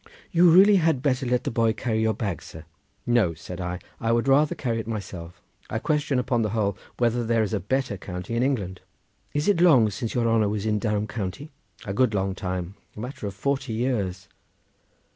"You really had better let the boy carry your bag, sir." "No!" said I; "I would rather carry it myself. I question upon the whole whether there is a better county in England." "Is it long since your honour was in Durham county?" "A good long time. A matter of forty years."